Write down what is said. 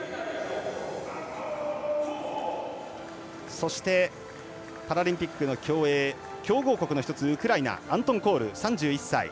そしてパラリンピック競泳強豪国の１つ、ウクライナアントン・コール３１歳。